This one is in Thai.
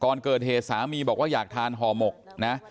ก่อนเกิดเหตุสามีบอกว่าอยากทานห่อหมกนะ